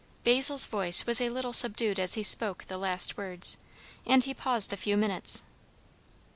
Basil's voice was a little subdued as he spoke the last words, and he paused a few minutes.